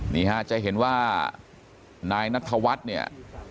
นี่ฮะจะเห็นว่านายนัทธวัฒน์เนี่ย